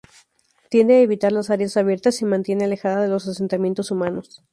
Tiende a evitar las áreas abiertas y se mantiene alejada de los asentamientos humanos.